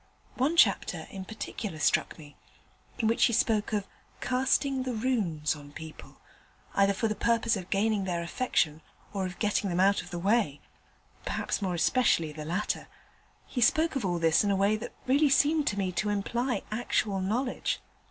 One chapter in particular struck me, in which he spoke of "casting the Runes" on people, either for the purpose of gaining their affection or of getting them out of the way perhaps more especially the latter: he spoke of all this in a way that really seemed to me to imply actual knowledge.